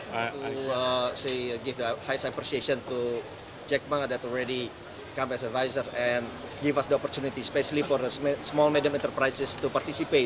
saya memberikan penghargaan terbesar kepada jack ma yang sudah menjadi pengadil dan memberikan kita kesempatan terutama untuk perusahaan kecil kecil untuk berpartisipasi